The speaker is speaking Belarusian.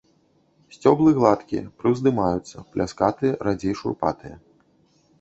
Сцеблы гладкія, прыўздымаюцца, пляскатыя, радзей шурпатыя.